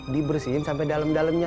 dibersihin sampe dalem dalemnya